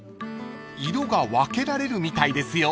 ［色が分けられるみたいですよ］